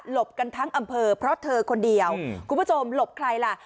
กันทั้งอำเภอเพราะเธอคนเดียวคุณผู้ชมหลบใครล่ะ